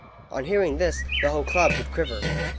On hearing this, the whole club would quiver.